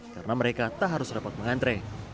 karena mereka tak harus dapat mengantre